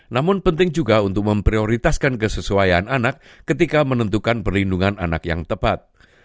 namun penting juga untuk memprioritaskan kesesuaian anak ketika menentukan perlindungan anak yang tepat